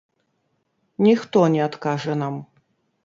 Ніхто не адкажа нам.